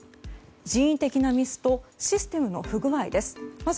人為的なミスとシステムの不具合です。